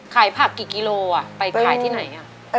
ขายผักกี่กิโลไปขายที่ไหน